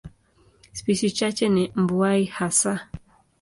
Spishi chache ni mbuai hasa.